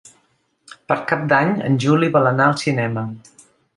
Per Cap d'Any en Juli vol anar al cinema.